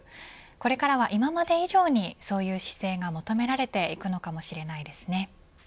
これからは、今まで以上にそういう姿勢が求められていくのかもしれないですね。